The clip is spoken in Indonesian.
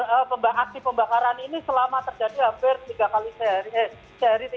aksi pembakaran ini selama terjadi hampir tiga kali sehari